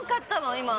今。